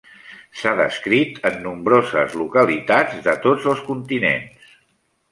S'ha descrit en nombroses localitats de tots els continents.